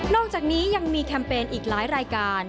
อกจากนี้ยังมีแคมเปญอีกหลายรายการ